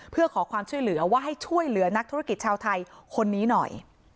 เพื่อขอความช่วยเหลือว่าให้ช่วยเหลือนักธุรกิจชาวไทยคนนี้หน่อย